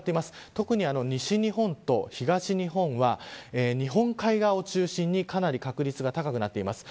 特に、西日本と東日本は日本海側を中心にかなり確率が高くなっています。